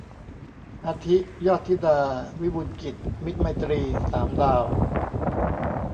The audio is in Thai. อาทิ ยอดธิดา วิบูลย์กิจ มิตรไมตรี สามดาว